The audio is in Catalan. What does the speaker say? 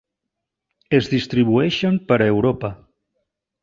Es distribueixen per Europa.